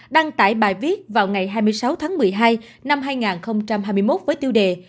đăng tải bài viết vào ngày hai mươi sáu tháng một mươi hai năm hai nghìn hai mươi một với tiêu đề